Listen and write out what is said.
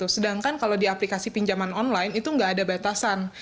sedangkan kalau di aplikasi pinjaman online itu nggak ada batasan